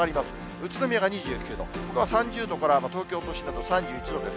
宇都宮が２９度、ほかは３０度から、東京都心など３１度です。